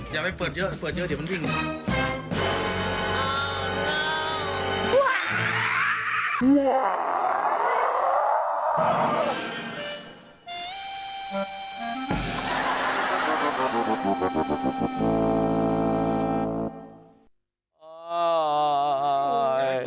อย่าไปเปิดเยอะเดี๋ยวมันขึ้น